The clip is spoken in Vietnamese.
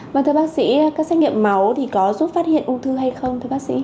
vâng thưa bác sĩ các xét nghiệm máu có giúp phát hiện ung thư hay không